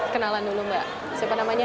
kenalan dulu mbak siapa namanya